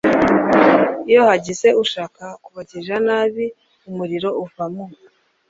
Iyo hagize ushaka kubagirira nabi umuriro uva mu